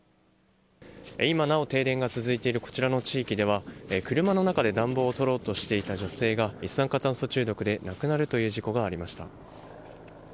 今なお停電が続いているこちらの地域では車の中で暖房をとろうとしていた女性が一酸化炭素中毒で亡くなるという事故がありました。